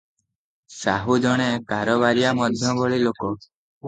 ସାହୁ ଜଣେ କାରବାରିଆ ମଧ୍ୟଭଳି ଲୋକ ।